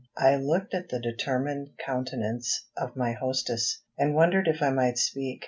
I looked at the determined countenance of my hostess, and wondered if I might speak.